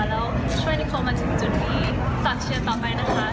แล้วช่วยนิโคมาถึงจุดนี้ตามเชียร์ต่อไปนะคะ